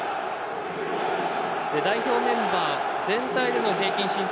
代表メンバー全体でも平均身長